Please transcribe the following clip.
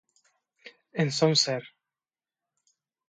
En son ser.